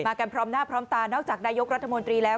กันพร้อมหน้าพร้อมตานอกจากนายกรัฐมนตรีแล้ว